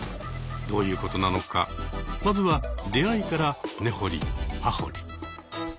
どういうことなのかまずは出会いからねほりはほり。